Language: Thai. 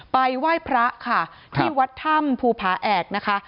ไปไหว้พระค่ะที่วัดถ้ำภูผาแอกนะคะ